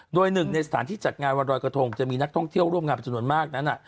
โดยหนึ่งในสถานที่จัดงานวันรอยกระทงจะมีนักท่องเที่ยวร่วมงานเป็นจำนวนมากนั้น